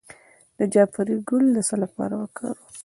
د جعفری ګل د څه لپاره وکاروم؟